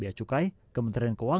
itu yang kita musnahkan